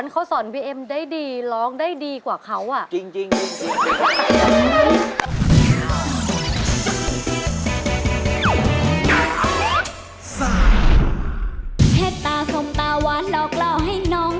เขาสอนบีเอ็มได้ดีร้องได้ดีกว่าเขาอ่ะ